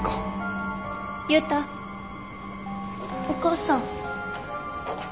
お母さん。